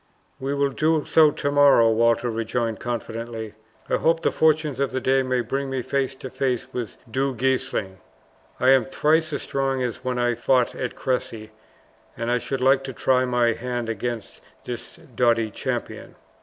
"We will do so tomorrow," Walter rejoined confidently. "I hope the fortunes of the day may bring me face to face with Du Guesclin. I am thrice as strong as when I fought at Cressy, and I should like to try my hand against this doughty champion."